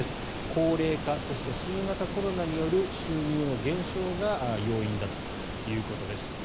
高齢化、そして新型コロナによる収入の減少が要因だということです。